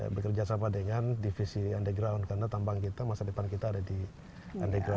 bekerja sama dengan divisi underground karena tambang kita masa depan kita ada di underground